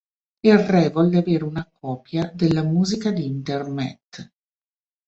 Il re volle avere una copia della musica d'Intermet.